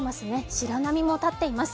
白波も立っています。